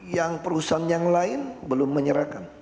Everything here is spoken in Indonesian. yang perusahaan yang lain belum menyerahkan